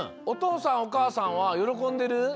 おとうさんおかあさんはよろこんでる？